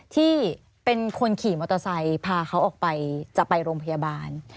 ที่เป็นคนขี่มอเตอร์ไซค์พาเขาออกไปจะไปโรงพยาบาล